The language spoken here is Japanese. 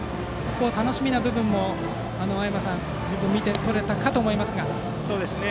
楽しみな部分も十分に見て取れたかと思いますが。